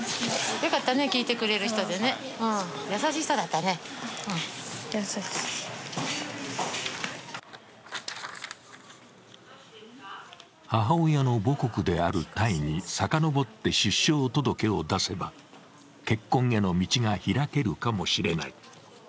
よかったね、聞いてくれる人でね母親の母国であるタイにさかのぼって出生届を出せば結婚への道が開けるかもしれない。